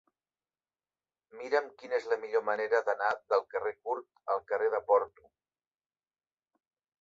Mira'm quina és la millor manera d'anar del carrer Curt al carrer de Porto.